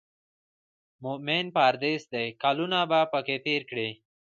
مومن پردېس دی کلونه به پکې تېر کړي.